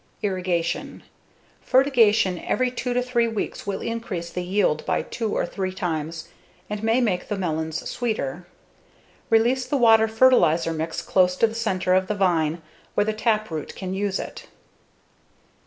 Irrigation: Fertigation every two to three weeks will increase the yield by two or three times and may make the melons sweeter. Release the water/fertilizer mix close to the center of the vine, where the taproot can use it.